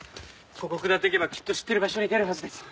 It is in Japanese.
ここ下っていけばきっと知ってる場所に出るはずです。